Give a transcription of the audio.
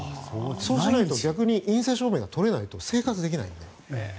そうしないと逆に陰性証明が取れないと、生活できない。